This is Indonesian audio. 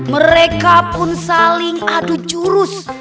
mereka pun saling adu jurus